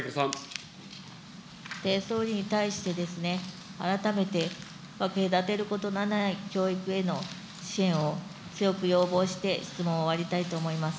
総理に対してですね、改めて分け隔てることがない教育への支援を強く要望して質問を終わりたいと思います。